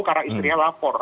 karena istrinya lapor